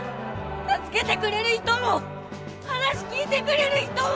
助けてくれる人も話聞いてくれる人も！